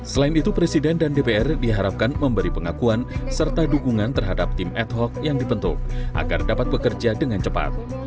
selain itu presiden dan dpr diharapkan memberi pengakuan serta dukungan terhadap tim ad hoc yang dibentuk agar dapat bekerja dengan cepat